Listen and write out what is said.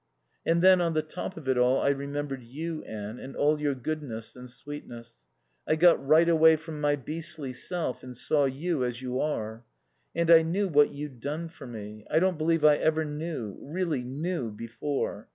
"And then, on the top of it all, I remembered you, Anne, and all your goodness and sweetness. I got right away from my beastly self and saw you as you are. And I knew what you'd done for me. I don't believe I ever knew, really knew, before.